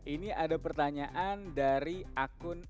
ini ada pertanyaan dari akun